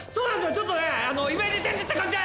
ちょっとねイメージチェンジって感じで‼